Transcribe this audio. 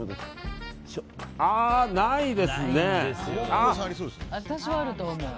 ああ、ないですね。